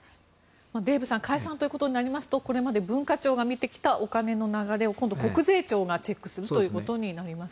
デーブさん解散となりますとこれまで文化庁が見てきたお金の流れを今度、国税庁がチェックすることになります。